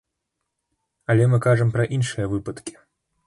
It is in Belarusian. Але мы кажам пра іншыя выпадкі.